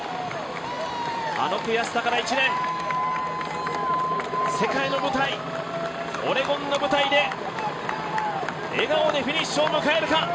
あの悔しさから１年世界の舞台、オレゴンの舞台で笑顔でフィニッシュを迎えるか。